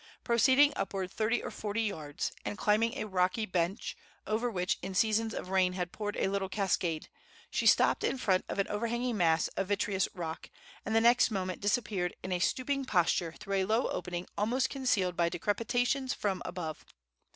Proceeding upward thirty or forty yards, and climbing a rocky bench, over which in seasons of rain had poured a little cascade, she stopped in front of an overhanging mass of vitreous rock, and the next moment disappeared in a stooping posture through a low opening almost concealed by decrepitations from above.